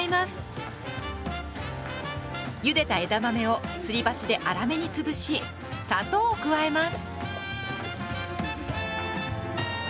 ゆでた枝豆をすり鉢で粗めに潰し砂糖を加えます。